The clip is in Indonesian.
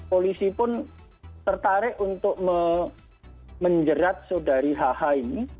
polisi pun tertarik untuk menjerat saudari hh ini